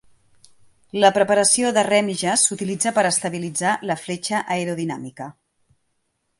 La preparació de rèmiges s'utilitza per estabilitzar la fletxa aerodinàmica.